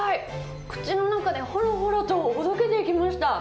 口の中でほろほろとほどけていきました。